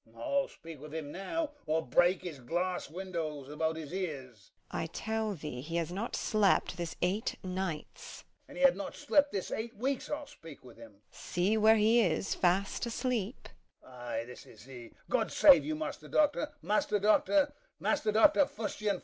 HORSE COURSER. I'll speak with him now, or I'll break his glass windows about his ears. MEPHIST. I tell thee, he has not slept this eight nights. HORSE COURSER. An he have not slept this eight weeks, I'll speak with him. MEPHIST. See, where he is, fast asleep. HORSE COURSER. Ay, this is he. God save you, Master Doctor, Master Doctor, Master Doctor Fustian!